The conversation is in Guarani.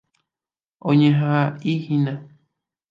Añeha'ã'aína.